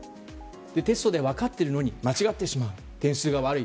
テストで分かっているのに間違ってしまう、点数が悪い。